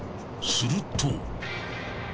すると。